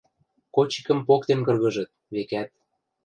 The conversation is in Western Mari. Кочикӹм поктен кыргыжыт, векӓт.